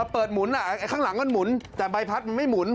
มาเปิดหมุนอะข้างหลังมันหมุนแต่ใบพัดมิ้มุน